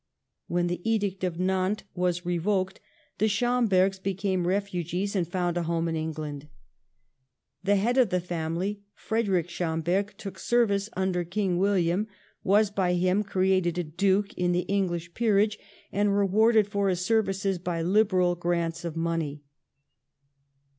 When the Edict of Nantes was revoked, the Schombergs became refugees and found a home in England. The head of the family, Frederick Schomberg, took service under King William, was by him created a duke in the English peerage and rewarded for his services by liberal grants of money.